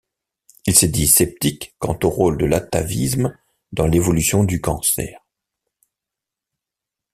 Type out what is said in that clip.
Il s'est dit sceptique quant au rôle de l'atavisme dans l'évolution du cancer.